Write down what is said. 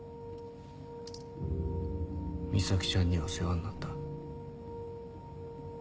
ミサキちゃんには世話になった。